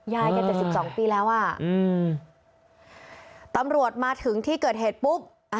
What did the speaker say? ยายแก๗๒ปีแล้วอ่ะอืมตำรวจมาถึงที่เกิดเหตุปุ๊บ